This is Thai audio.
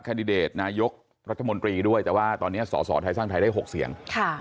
ดิเดตนายกรัฐมนตรีด้วยแต่ว่าตอนนี้สสไทยสร้างไทยได้๖เสียง